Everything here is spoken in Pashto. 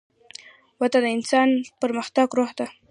وده د انسان د پرمختګ روح ده.